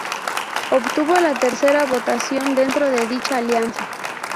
Obtuvo la tercera votación dentro dicha alianza.